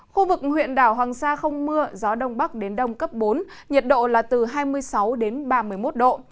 khu vực huyện đảo hoàng sa không mưa gió đông bắc đến đông cấp bốn nhiệt độ là từ hai mươi sáu đến ba mươi một độ